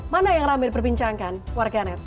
mana yang rame diperbincangkan warganet